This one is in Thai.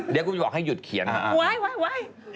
เดี๋ยวกูบอกให้หยุดเขียนมา